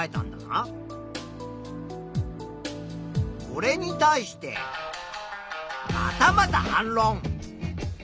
これに対してまたまた反ろん。